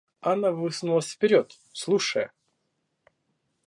Анна высунулась вперед, слушая.